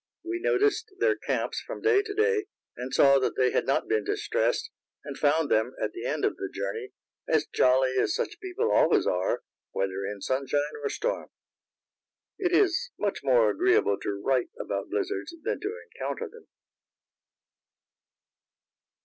We noticed their camps from day to day, and saw that they had not been distressed, and found them, at the end of the journey, as jolly as such people always are, whether in sunshine or storm. It is much more agreeable to write about blizzards than to encounter them.